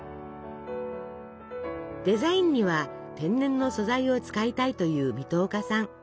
デザインには天然の素材を使いたいという水戸岡さん。